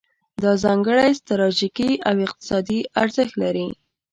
دا ځانګړی ستراتیژیکي او اقتصادي ارزښت لري.